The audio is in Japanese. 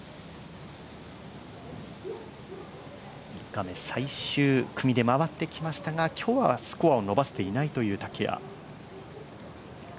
３日目、最終組で回ってきましたが今日はスコアを伸ばせていないという竹谷。